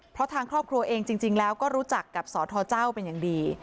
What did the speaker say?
เพราะทางครอบครัวเองจริงแล้วก็รู้จักกับสทเจ้าเป็นอย่างดี